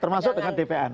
termasuk dengan dpn